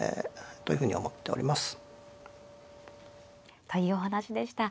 というお話でした。